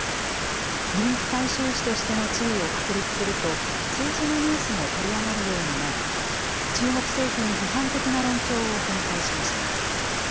人気大衆紙としての地位を確立すると、政治のニュースも取り上げるようになり、中国政府に批判的な論調を展開しました。